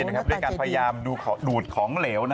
ด้วยการพยายามดูดของเหลว